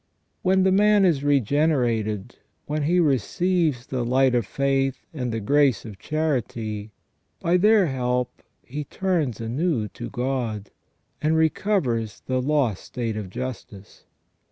When the man is regenerated, when he receives the light of faith and the grace of charity, by their help he turns anew to God, and recovers the lost state of justice.